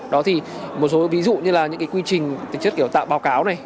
đó thì một số ví dụ như là những cái quy trình tính chất kiểu tạo báo cáo này